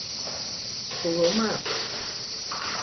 สกรูหลวมมาก